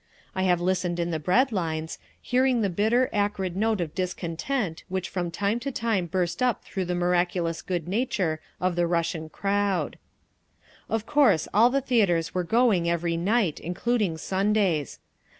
I have listened in the bread lines, hearing the bitter, acrid note of discontent which from time to time burst up through the miraculous goodnature of the Russian crowd…. Of course all the theatres were going every night, including Sundays.